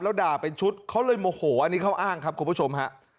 แล้วด่าเป็นชุดเขาเลยโมโหอันนี้เขาอ้างครับคุณผู้ชมฮะ